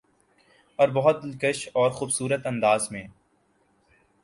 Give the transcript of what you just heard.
اور بہت دلکش اورخوبصورت انداز میں